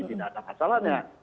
tidak ada masalahnya